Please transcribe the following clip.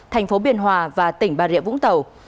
thành phố biên hòa và tỉnh bà rịa vũng tàu